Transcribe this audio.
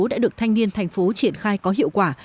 đã được thanh niên thành phố triển khai có hiệu quả